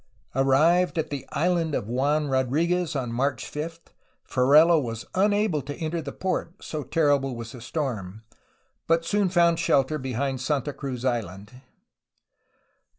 Arrived at the ^ ^Island of Juan Rod rfguez'' on March 5, Ferrelo was unable to enter the port, so terrible was the storm, but soon found shelter behind Santa Cruz Island.